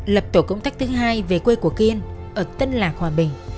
lập tổ công tác thứ hai về quê của kiên ở tân lạc hòa bình